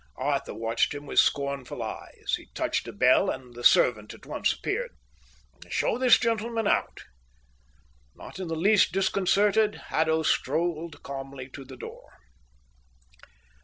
Arthur watched him with scornful eyes. He touched a bell, and the servant at once appeared. "Show this gentleman out." Not in the least disconcerted, Haddo strolled calmly to the door.